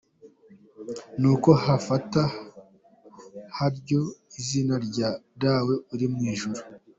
Nuko hafata haryo izina rya ‘Dawe uri mu ijuru’.